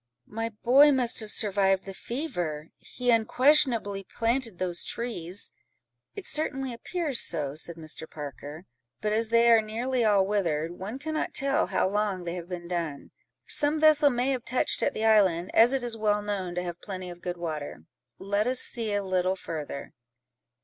"My boy must have survived the fever: he unquestionably planted those trees." "It certainly appears so," said Mr. Parker; "but as they are nearly all withered, one cannot tell how long they have been done. Some vessel may have touched at the island, as it is well known to have plenty of good water. Let us see a little further."